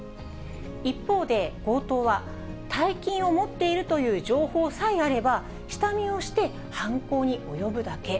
一方で強盗は、大金を持っているという情報さえあれば、下見をして犯行に及ぶだけ。